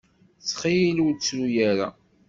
Ttxil ur ttru ara.